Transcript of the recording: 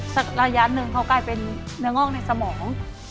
ระยะหนึ่งเขากลายเป็นเนื้องอกในสมอง